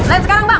lain sekarang bang